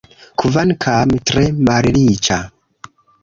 Kvankam tre malriĉa.